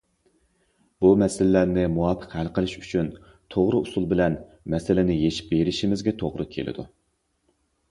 بۇ مەسىلىلەرنى مۇۋاپىق ھەل قىلىش ئۈچۈن، توغرا ئۇسۇل بىلەن مەسىلىنى يېشىپ بېرىشىمىزگە توغرا كېلىدۇ.